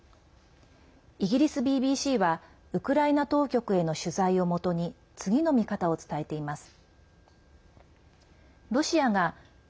イギリスＢＢＣはウクライナ当局への取材をもとに次の見方を伝えています。